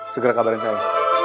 segera kabarin saya